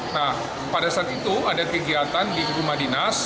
nah pada saat itu ada kegiatan di rumah dinas